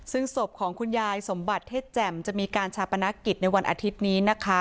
ซึ่งศพของคุณยายสมบัติเทศแจ่มจะมีการชาปนกิจในวันอาทิตย์นี้นะคะ